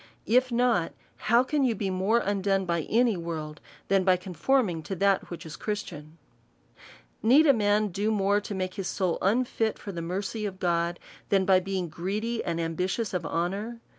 If not, how can you be more undone by any world, than by con forming to that which is Christian ? Need a man do more to make his soul unfit for the mercy of God, than by being greedy and ambitious of honour?